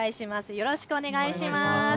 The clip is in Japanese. よろしくお願いします。